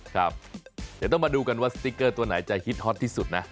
ครับเดี๋ยวต้องมาดูกันว่าสติ๊กเกอร์ตัวไหนจะฮิตฮอตที่สุดนะ